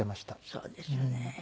そうですよね。